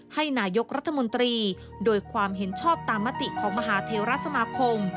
ให้นายกรัฐมนตรีโดยความเห็นชอบตามมติของมหาเทวรัฐสมาคม